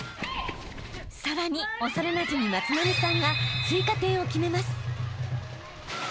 ［さらに幼なじみ松波さんが追加点を決めます］